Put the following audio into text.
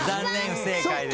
不正解です。